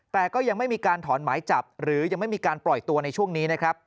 แต่ก็ยังไม่มีการถอนหมายจับหรือยังไม่มีการปล่อยตัวในช่วงนี้นะครับ